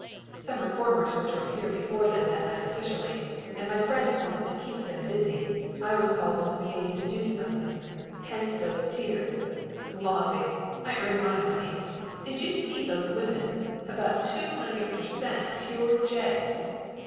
Some reformers were to appear before them that night officially, and my friends wanted to keep them busy. I was called into the game to do something, hence these tears. Lawsy! I earned my money. Did you see those women? about two million per cent. pure jay!"